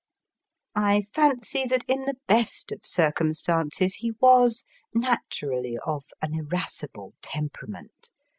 I fancy that in the best of circumstances he was naturally of an irascible temperament.